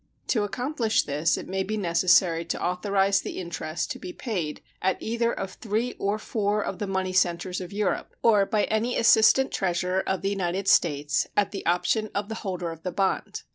To accomplish this it may be necessary to authorize the interest to be paid at either of three or four of the money centers of Europe, or by any assistant treasurer of the United States, at the option of the holder of the bond.